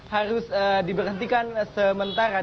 harus diberhentikan sementara